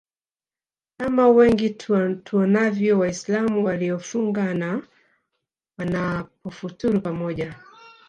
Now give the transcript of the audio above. kama wengi tuonavyo waislamu waliofunga na wanapofuturu pamoja